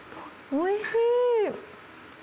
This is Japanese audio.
おいしい。